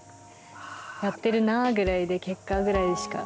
やっているなぐらいで、結果ぐらいしか。